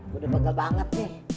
mudah mudahan banget nih